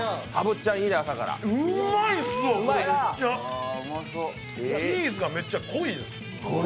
チーズがめっちゃ濃いです。